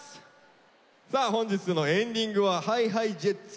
さあ本日のエンディングはＨｉＨｉＪｅｔｓ